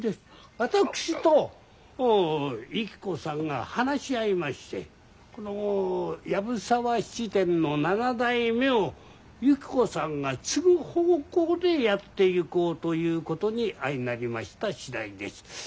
私とゆき子さんが話し合いましてこの藪沢質店の７代目をゆき子さんが継ぐ方向でやっていこうということに相なりました次第です。